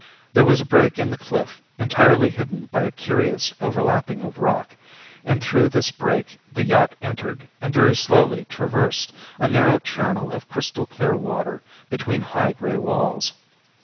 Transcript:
There was a break in the cliff entirely hidden by a curious overlapping of rock, and through this break the yacht entered and very slowly traversed a narrow channel of crystal clear water between high gray walls.